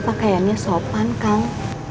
pakaiannya sopan kang